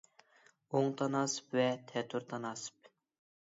ئوڭ تاناسىپ ۋە تەتۈر تاناسىپ